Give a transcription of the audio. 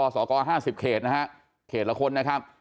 จำนวนศกศก๕๐เขตนะครับเขตละคนนะครับ